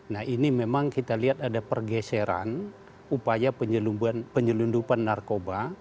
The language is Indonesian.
nah ini memang kita lihat ada pergeseran upaya penyelundupan narkoba